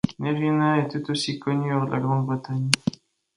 Nerina est tout aussi connue hors de la Grande-Bretagne.